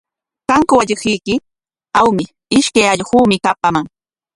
¿Kanku allquyki? Awmi, ishkay allquumi kapaman.